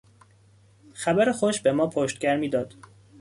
خبر خوش به ما پشتگرمی داد.